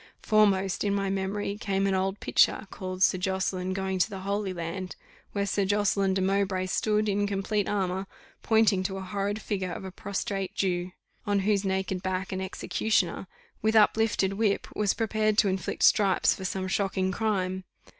Foremost in my memory came an old picture, called "Sir Josseline going to the Holy Land," where Sir Josseline de Mowbray stood, in complete armour, pointing to a horrid figure of a prostrate Jew, on whose naked back an executioner, with uplifted whip, was prepared to inflict stripes for some shocking crime.